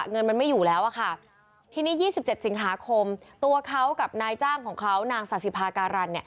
เงินมันไม่อยู่แล้วอะค่ะทีนี้๒๗สิงหาคมตัวเขากับนายจ้างของเขานางศาสิภาการัน